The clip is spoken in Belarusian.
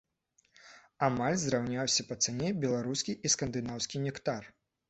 Амаль зраўняўся па цане беларускі і скандынаўскі нектар.